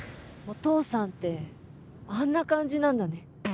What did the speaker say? お父さんってあんな感じなんだね。